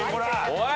おい！